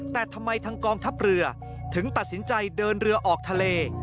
แต่ทำไมทางกองทัพเรือถึงตัดสินใจเดินเรือออกทะเล